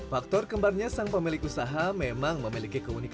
faktor kembarnya sang pemilik usaha memang memiliki keunikan